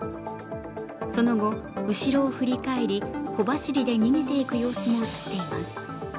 その後、後ろを振り返り、小走りで逃げていく様子も映っています。